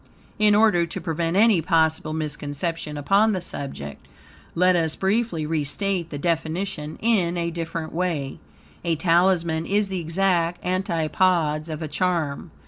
In order to prevent any possible misconception upon the subject, let us briefly restate the definition in a different way: A Talisman is the exact antipodes of a charm.